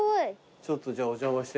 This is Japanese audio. ちょっとじゃあお邪魔してみよう。